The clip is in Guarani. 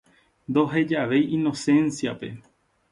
Ndohejavéi Inocencia-pe.